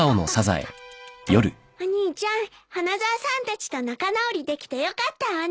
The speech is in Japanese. お兄ちゃん花沢さんたちと仲直りできてよかったわね。